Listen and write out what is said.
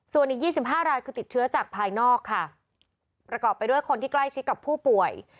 ส่วนอีก๒๕รายคือติดเชื้อจากภายนอกค่ะประกอบไปด้วยคนที่ใกล้ชิดกับผู้ป่วย